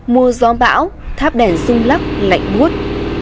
mùa gió bão tháp đèn rung lắc lạnh buốt